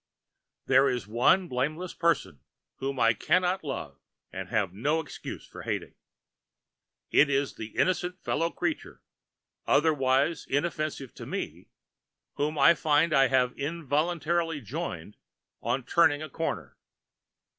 There is one blameless person whom I can not love and have no excuse for hating. It is the innocent fellow creature, otherwise inoffensive to me, whom I find I have involuntarily joined on turning a corner.